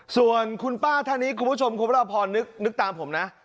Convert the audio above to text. ส่วนคุณป้าท่านนี้คุณผู้ชมคุณพระพรนึกตามผมนะ